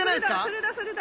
それだそれだ。